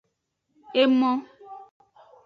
Emo.